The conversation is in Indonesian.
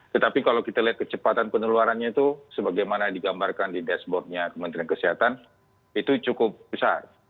tetapi kalau kita lihat kecepatan peneluarannya itu sebagaimana digambarkan di dashboardnya kementerian kesehatan itu cukup besar